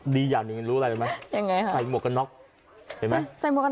ดีอย่างหนึ่งรู้อะไรไหมใส่หมวกกันน็อกเห็นไหม